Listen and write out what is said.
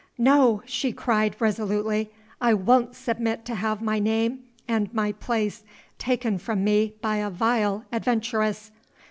"No!" she cried, resolutely, "I won't submit to have my name and my place taken from me by a vile adventuress!